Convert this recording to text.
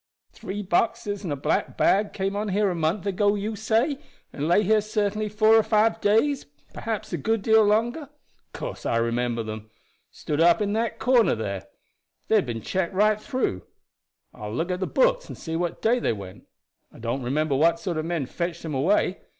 "Three boxes and a black bag came on here a month ago, you say, and lay here certainly four or five days perhaps a good deal longer. Of course I remember them. Stood up in that corner there. They had been checked right through. I will look at the books and see what day they went. I don't remember what sort of men fetched them away.